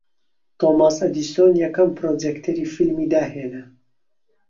تۆماس ئەدیسۆن یەکەم پڕۆجێکتەری فیلمی داھێنا